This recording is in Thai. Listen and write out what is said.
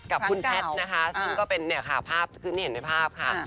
กับคุณแพทย์นะคะซึ่งก็เป็นเนี่ยค่ะภาพขึ้นที่เห็นในภาพค่ะ